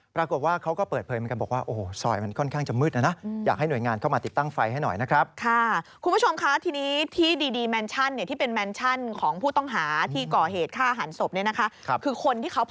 ปรากฏว่าเขาก็เปิดเผยเหมือนกัน